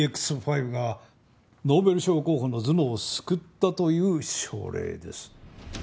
ＥＸ‐５がノーベル賞候補の頭脳を救ったという症例です。